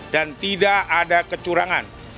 dan tidak ada kecurangan